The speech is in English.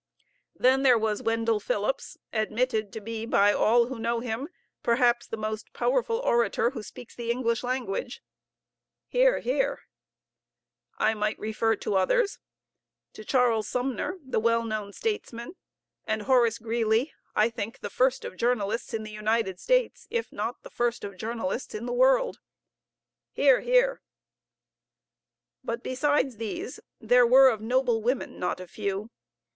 Then there was Wendell Phillips, admitted to be by all who know him perhaps the most powerful orator who speaks the English language. (Hear, hear.) I might refer to others, to Charles Sumner, the well known statesman, and Horace Greeley, I think the first of journalists in the United States, if not the first of journalists in the world. (Hear, hear.) But besides these, there were of noble women not a few.